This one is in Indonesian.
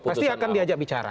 pasti akan diajak bicara